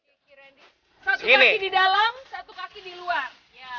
satu kaki di dalam satu kaki di luar